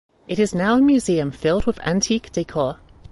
It is now a museum filled with antique decor.